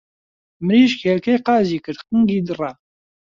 مریشک هێلکهی قازی کرد قنگی دڕا